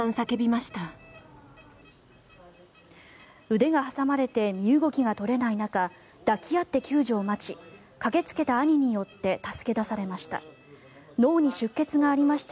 腕が挟まれて身動きが取れない中抱き合って救助を待ち駆けつけた兄によって助け出されました。